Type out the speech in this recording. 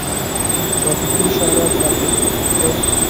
ترافیکي اشاره تعقیب کړه.